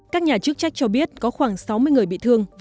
các nhà chức trách cho biết có khoảng sáu mươi người bị thương